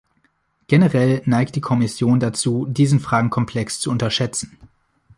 Generell neigt die Kommission dazu, diesen Fragenkomplex zu unterschätzen.